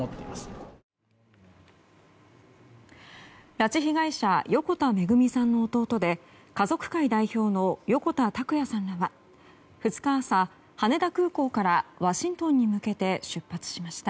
拉致被害者横田めぐみさんの弟で家族会代表の横田拓也さんらは２日朝、羽田空港からワシントンに向けて出発しました。